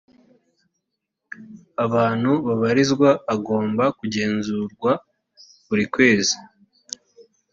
abantu babarizwa agomba kugenzurwa buri kwezi